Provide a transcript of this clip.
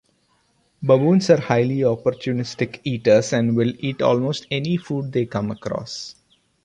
Baboons are highly opportunistic eaters and will eat almost any food they come across.